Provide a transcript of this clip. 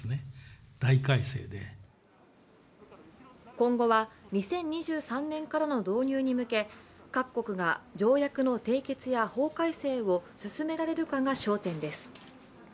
今後は２０２３年からの導入に向け、各国が条約の締結や法改正を進められるかが焦点です。